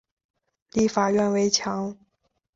立法院围墙